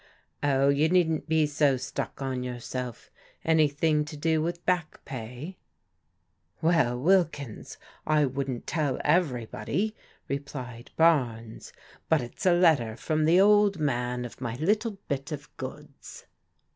" Oh, you needn't be so stuck on yourself. An3rthing to do with back pay ?" "Well, Wilkins, I wouldn't tell everybody," replied Bames, "but it's a letter from the old man of my little bit of goods."